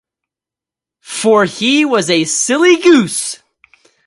For he was a silly goose